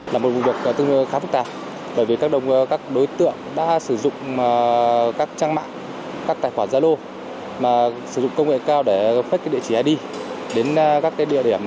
là một vụ việc tương khá phức tạp bởi vì các đối tượng đã sử dụng các trang mạng các tài khoản gia lô mà sử dụng công nghệ cao để phách cái địa chỉ id đến các địa điểm